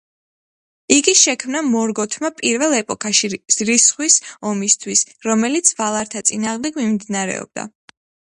იგი შექმნა მორგოთმა პირველ ეპოქაში, რისხვის ომისთვის, რომელიც ვალართა წინააღმდეგ მიმდინარეობდა.